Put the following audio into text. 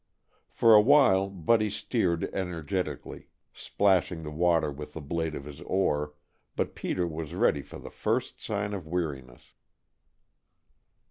For a while Buddy steered energetically, splashing the water with the blade of his oar, but Peter was ready for the first sign of weariness.